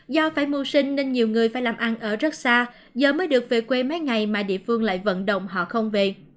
do phải mưu sinh nên nhiều người phải làm ăn ở rất xa giờ mới được về quê mấy ngày mà địa phương lại vận động họ không về